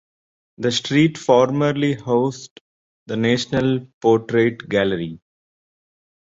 The street formerly housed the National Portrait Gallery.